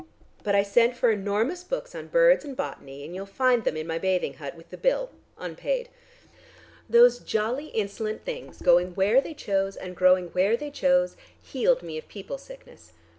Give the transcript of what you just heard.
But I sent for enormous books on birds and botany, and you'll find them in my bathing hut with the bill: unpaid. Those jolly insolent things, going where they chose and growing where they chose healed me of people sickness.